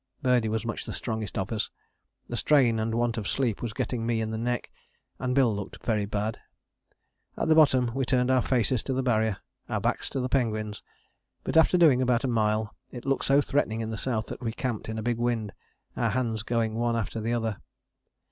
Birdie was much the strongest of us. The strain and want of sleep was getting me in the neck, and Bill looked very bad. At the bottom we turned our faces to the Barrier, our backs to the penguins, but after doing about a mile it looked so threatening in the south that we camped in a big wind, our hands going one after the other.